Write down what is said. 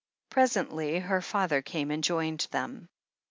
Presently her father came and joined them.